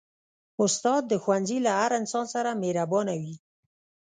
استاد د ښوونځي له هر انسان سره مهربانه وي.